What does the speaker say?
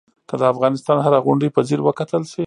که د افغانستان هره غونډۍ په ځیر وکتل شي.